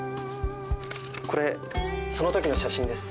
これそのときの写真です。